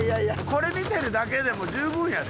これ見てるだけでも十分やで。